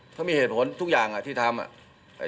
ถ้ามีเหตุผลทุกอย่างที่ทำ